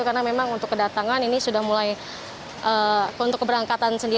karena memang untuk kedatangan ini sudah mulai